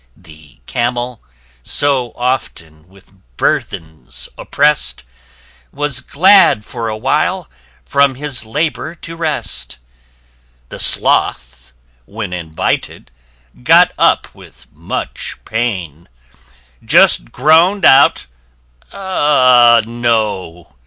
The Camel, so often with burthens opprest, Was glad for a while from his labour to rest. The Sloth, when invited, got up with much pain, Just groan'd out, "Ah, No!"